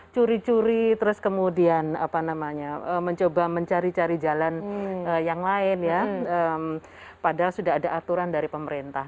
curi curi terus kemudian mencoba mencari cari jalan yang lain ya padahal sudah ada aturan dari pemerintah